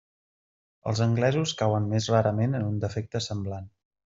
Els anglesos cauen més rarament en un defecte semblant.